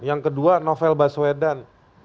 yang kedua novel baswedan